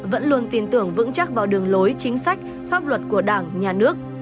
vẫn luôn tin tưởng vững chắc vào đường lối chính sách pháp luật của đảng nhà nước